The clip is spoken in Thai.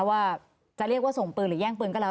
ว่าจะเรียกว่าส่งปืนหรือแย่งปืนก็แล้ว